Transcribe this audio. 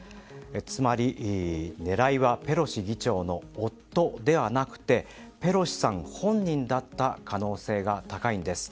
つまり、狙いはペロシ議長の夫ではなくてペロシさん本人だった可能性が高いんです。